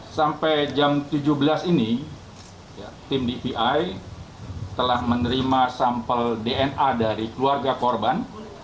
sampai jam tujuh belas ini tim dvi telah menerima sampel dna dari keluarga korban